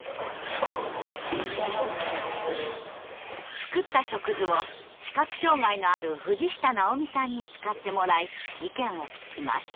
作った触図を視覚障害のある藤下直美さんに使ってもらい意見を聞きます。